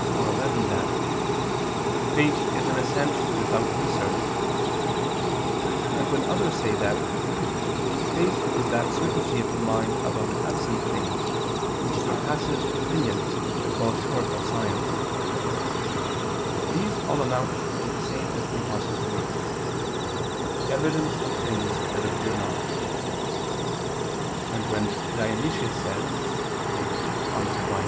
iv, 11) that "faith is an assent without research," and when others say that "faith is that certainty of the mind about absent things which surpasses opinion but falls short of science," these all amount to the same as the Apostle's words: "Evidence of things that appear not"; and when Dionysius says (Div. Nom.